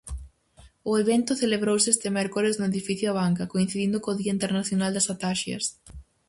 O evento celebrouse este mércores no edificio Abanca, coincidindo co día internacional das ataxias.